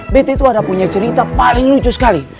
bett itu ada punya cerita paling lucu sekali